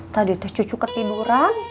tadi tuh cucu ketiduran